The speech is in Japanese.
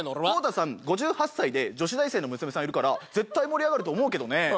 コウタさん５８歳で女子大生の娘さんいるから絶対盛り上がると思うけどね